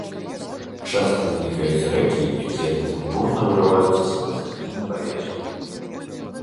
Часта знікаюць рэкі, якія затым бурна вырываюцца з-пад зямлі на паверхню.